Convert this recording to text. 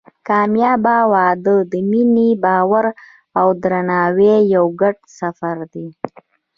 کامیابه واده د مینې، باور او درناوي یو ګډ سفر دی.